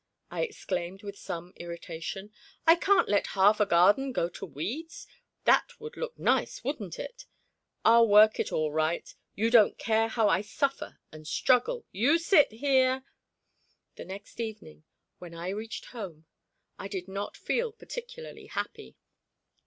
I exclaimed with some irritation. "I can't let half a garden go to weeds! That would look nice, wouldn't it! I'll work it all right! You don't care how I suffer and struggle. You sit here " The next evening when I reached home I did not feel particularly happy.